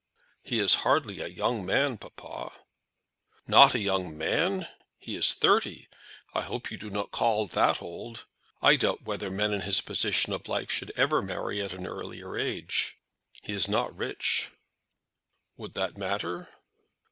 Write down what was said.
"He is hardly a young man, papa." "Not a young man! He is thirty. I hope you do not call that old. I doubt whether men in his position of life should ever marry at an earlier age. He is not rich." "Would that matter?"